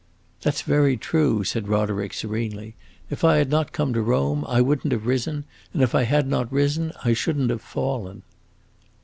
"That 's very true," said Roderick, serenely. "If I had not come to Rome, I would n't have risen, and if I had not risen, I should n't have fallen."